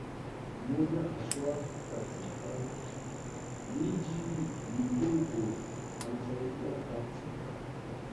mmoja haswa katika miji midogo Wanasaidia katika